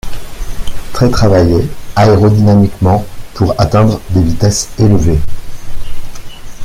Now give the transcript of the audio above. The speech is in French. Très travaillée aérodynamiquement pour atteindre des vitesses élevées.